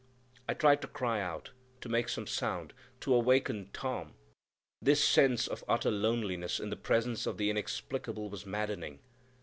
I tried to cry out, to make some sound, to awaken Tom; this sense of utter loneliness in the presence of the Inexplicable was maddening.